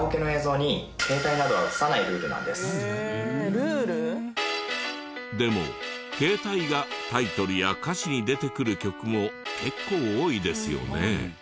ルール？でも携帯がタイトルや歌詞に出てくる曲も結構多いですよね？